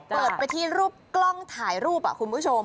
เปิดไปที่รูปกล้องถ่ายรูปคุณผู้ชม